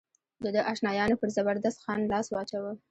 د ده اشنایانو پر زبردست خان لاس واچاوه.